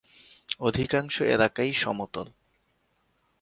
অধিকাংশ এলাকাই সমতল।